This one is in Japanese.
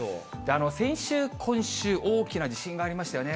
先週、今週、大きな地震がありましたよね。